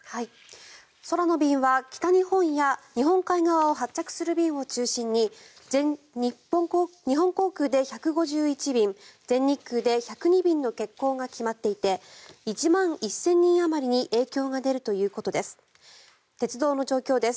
空の便は北日本や日本海側を発着する便を中心に日本航空で１５１便全日空で１０２便の欠航が決まっていて１万１０００人あまりに影響が出るということです。